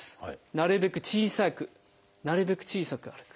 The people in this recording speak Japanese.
なるべく小さくなるべく小さく歩く。